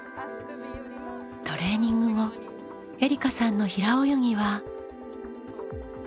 トレーニング後えりかさんの平泳ぎは。